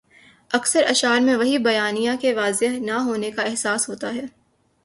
اکثر اشعار میں وہی بیانیہ کے واضح نہ ہونے کا احساس ہوتا ہے۔